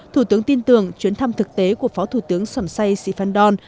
thủ tướng tin tưởng chuyến thăm thực tế của phó thủ tướng sởn say sĩ phan đon